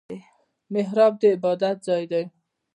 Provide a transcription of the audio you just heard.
محراب د عبادت ځای دی